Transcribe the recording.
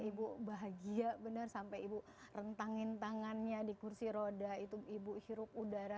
ibu bahagia benar sampai ibu rentangin tangannya di kursi roda itu ibu hirup udara